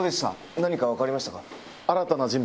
何か分かりましたか？